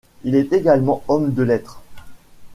Il était également homme de lettres.